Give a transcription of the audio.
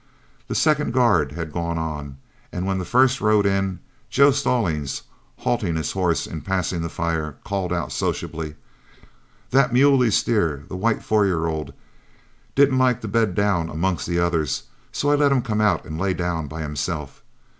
The second guard had gone on, and when the first rode in, Joe Stallings, halting his horse in passing the fire, called out sociably, "That muley steer, the white four year old, didn't like to bed down amongst the others, so I let him come out and lay down by himself.